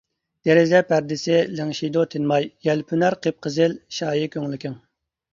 دېرىزە پەردىسى لىڭشىيدۇ تىنماي، يەلپۈنەر قىپقىزىل شايى كۆڭلىكىڭ.